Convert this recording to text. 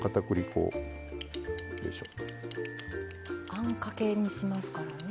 あんかけにしますからね。